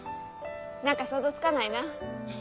何か想像つかないな。